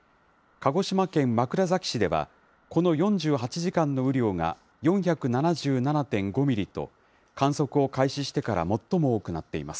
鹿児島県枕崎市では、この４８時間の雨量が４７７．５ミリと、観測を開始してから最も多くなっています。